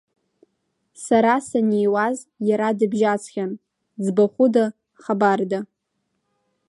Сара саниуаз, иара дыбжьаӡхьан ӡбахәыда-хабарда.